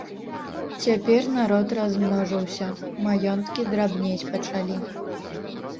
Цяпер народ размножыўся, маёнткі драбнець пачалі.